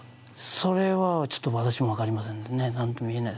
それはちょっと私も分かりません、何とも言えない。